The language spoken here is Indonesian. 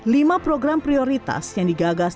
lima program prioritas yang digagas